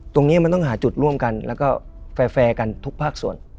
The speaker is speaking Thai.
ตรงนี้มันต้องหาจุดร่วมกันแล้วก็แฟร์กันทุกภาคส่วน